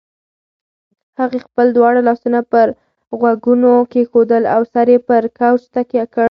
هغې خپل دواړه لاسونه پر غوږونو کېښودل او سر یې پر کوچ تکیه کړ.